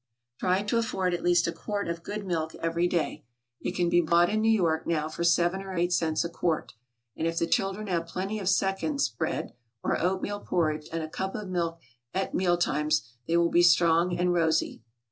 Try to afford at least a quart of good milk every day. It can be bought in New York now for seven or eight cents a quart; and if the children have plenty of seconds bread, or oatmeal porridge, and a cup of milk, at meal times, they will be strong and rosy.